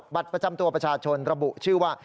บัตรประจำตัวประชาชนระบุชื่อว่า